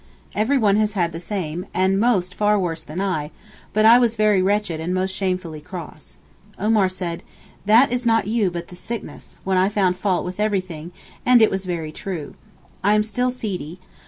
Everyone has had the same, and most far worse than I, but I was very wretched and most shamefully cross. Omar said, 'That is not you but the sickness,' when I found fault with everything, and it was very true. I am still seedy.